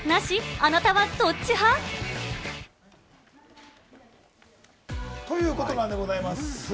あなたはどっち派？ということでございます。